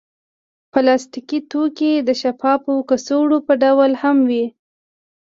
پلاستيکي توکي د شفافو کڅوړو په ډول هم وي.